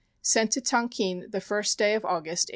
Sent to Tonkin the 1st day of August, 1881.